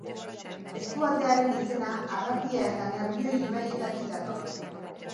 Eskualdearen izena Arratia eta Nerbioi ibaietatik dator.